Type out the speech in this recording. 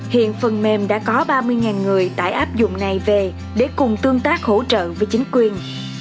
hiện phần mềm đã có ba mươi người tải áp dụng này về để cùng tương tác hỗ trợ với chính quyền